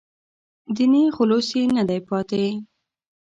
دیني خلوص یې نه دی پاتې.